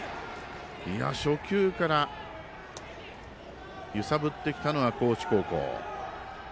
初球から揺さぶってきたのは高知高校。